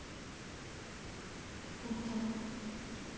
包帯。